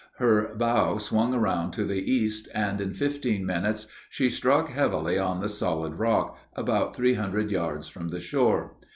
Her bow swung around to the east and in fifteen minutes she struck heavily on the solid rock, about three hundred yards from the shore.